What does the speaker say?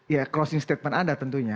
ya closing statement anda tentunya